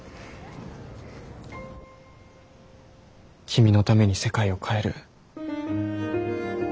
君のために世界を変える。